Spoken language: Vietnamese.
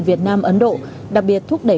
việt nam ấn độ đặc biệt thúc đẩy